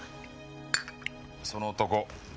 その男